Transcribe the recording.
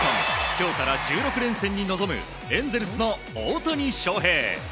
今日から１６連戦に臨むエンゼルスの大谷翔平。